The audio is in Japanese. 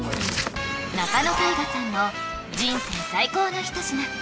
仲野太賀さんの人生最高の一品